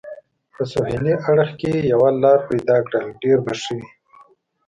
په سهېلي اړخ کې یوه لار پیدا کړل، ډېر به ښه وي.